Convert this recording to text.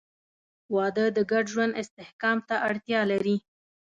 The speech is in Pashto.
• واده د ګډ ژوند استحکام ته اړتیا لري.